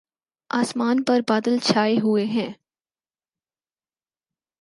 آسان پر بادل چھاۓ ہوۓ ہیں